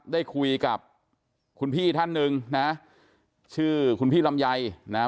ได้คุยกับคุณพี่ท่านหนึ่งนะชื่อคุณพี่ลำไยนะฮะ